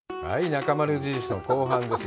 「なかまる印」の後半です。